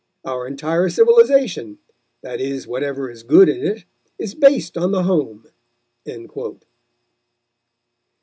Our entire civilization that is whatever is good in it is based on the home."